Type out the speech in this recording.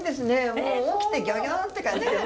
もう起きてギョギョンって感じで。